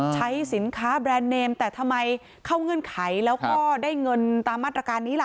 ใช้สินค้าแบรนด์เนมแต่ทำไมเข้าเงื่อนไขแล้วก็ได้เงินตามมาตรการนี้ล่ะ